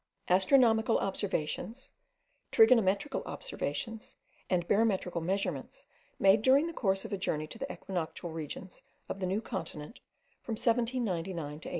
ASTRONOMICAL OBSERVATIONS, TRIGONOMETRICAL OPERATIONS, AND BAROMETRICAL MEASUREMENTS MADE DURING THE COURSE OF A JOURNEY TO THE EQUINOCTIAL REGIONS OF THE NEW CONTINENT, FROM 1799 TO 1804.